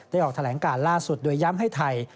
ออกแถลงการล่าสุดโดยย้ำให้ไทย